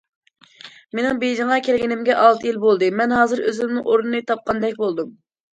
مېنىڭ بېيجىڭغا كەلگىنىمگە ئالتە يىل بولدى، مەن ھازىر ئۆزۈمنىڭ ئورنىنى تاپقاندەك بولدۇم.